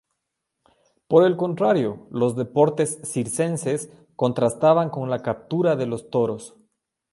Por el contrario, los deportes circenses contrastaban con la captura de los toros.